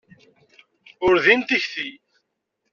Ur din tikti.